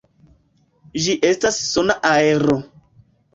Ĝi estas sona aero.